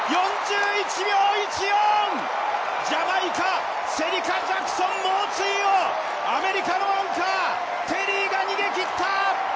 ４１秒１４、ジャマイカ、シェリカ・ジャクソンの猛追をアメリカのアンカー、テリーが逃げ切った。